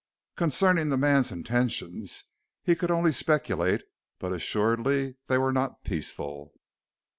Concerning the man's intentions he could only speculate, but assuredly they were not peaceful.